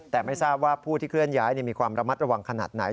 แต่ไม่ทราบว่าผู้ที่เคลื่อนย้ายมีความระมัดระวังขนาดไหน